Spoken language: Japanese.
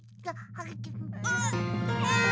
あ！